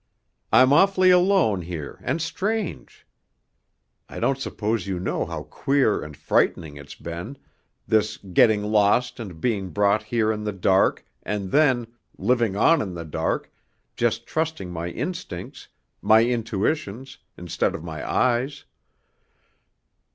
I'm awfully alone here, and strange. I don't suppose you know how queer and frightening it's been this getting lost and being brought here in the dark, and then living on in the dark, just trusting my instincts, my intuitions, instead of my eyes.